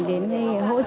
gửi đến đồng bà miền trung